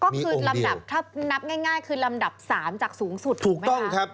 ก็คือลำดับถ้านับง่ายคือลำดับ๓จากสูงสุดถูกไหมคะ